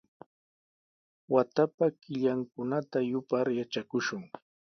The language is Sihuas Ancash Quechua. Watapa killankunata yupar yatrakushun.